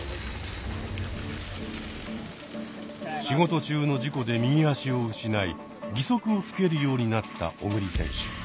仕事中の事故で右足を失い義足をつけるようになった小栗選手。